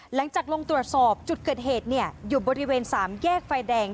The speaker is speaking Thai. หลังจากลงตรวจสอบจุดเกิดเหตุอยู่บริเวณ๓แยกไฟแดง